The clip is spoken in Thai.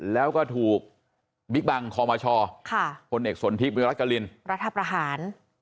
แล้วก็ถูกบิกบังคอมชอค่ะคนเอกสนทิพย์มิวรัฐกรินรัฐประหาร